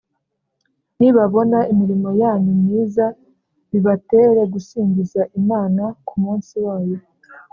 nibabona imirimo yanyu myiza bibatere gusingiza Imana ku munsi wayo